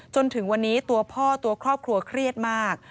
จนถึงวันนี้ตัวพ่อตัวครอบครัวเครียดมาก